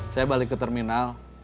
saya balik ke terminal